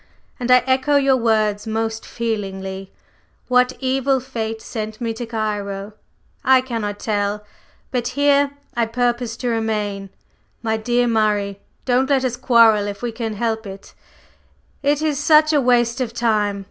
And I echo your words most feelingly, What evil fate sent me to Cairo? I cannot tell! But here I purpose to remain. My dear Murray, don't let us quarrel if we can help it; it is such a waste of time.